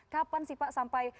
kapan sih pak sampai